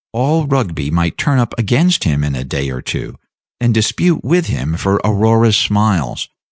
All Rugby might turn up against him in a day or two, and dispute with him for Aurora's smiles.